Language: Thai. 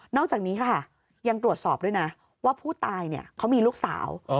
อกจากนี้ค่ะยังตรวจสอบด้วยนะว่าผู้ตายเขามีลูกสาว